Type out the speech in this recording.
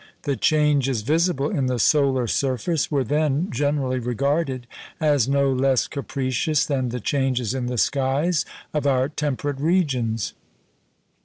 The changes visible in the solar surface were then generally regarded as no less capricious than the changes in the skies of our temperate regions.